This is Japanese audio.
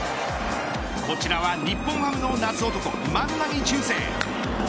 こちらは日本ハムの夏男万波中正。